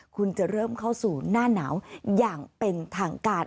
คุณจะเริ่มเข้าสู่หน้าหนาวอย่างเป็นทางการ